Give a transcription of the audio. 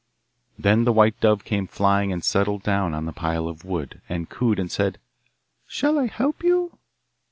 Then the white dove came flying and settled down on the pile of wood, and cooed and said, 'Shall I help you?